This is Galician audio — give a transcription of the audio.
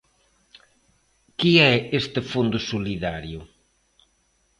¿Que é este fondo solidario?